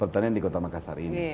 pertanian di kota makassar ini